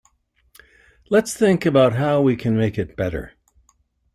Let's think about how we can make it better.